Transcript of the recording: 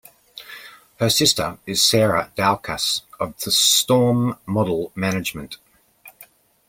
Her sister is Sarah Doukas of Storm Model Management.